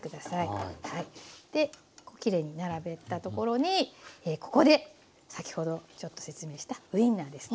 できれいに並べたところにここで先ほどちょっと説明したウインナーですね。